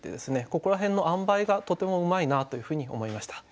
ここら辺のあんばいがとてもうまいなというふうに思いました。